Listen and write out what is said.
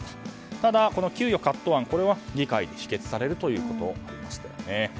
ただ、この給与カット案これは議会で否決されることがありましたよね。